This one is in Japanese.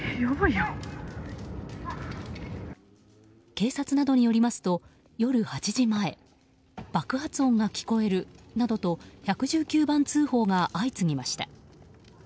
警察などによりますと夜８時前爆発音が聞こえるなどと１１９番通報が相次ぎました。